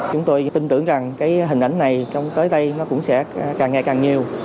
chúng tôi tin tưởng rằng hình ảnh này tới đây cũng sẽ càng nghe càng nhiều